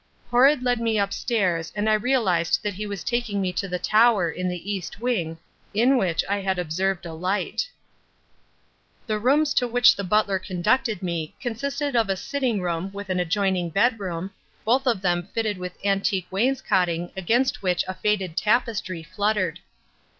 Horrod led me upstairs and I realized that he was taking me to the tower in the east wing, in which I had observed a light. The rooms to which the butler conducted me consisted of a sitting room with an adjoining bedroom, both of them fitted with antique wainscoting against which a faded tapestry fluttered.